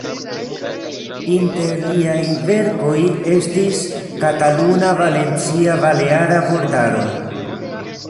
Inter liaj verkoj estis "Kataluna-Valencia-Baleara Vortaro".